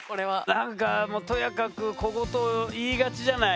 なんかとやかく小言言いがちじゃない。